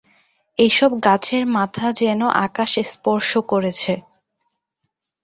এইসব গাছের মাথা যেন আকাশ স্পর্শ করেছে।